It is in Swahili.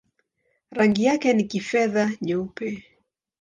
Rangi yake ni kifedha-nyeupe.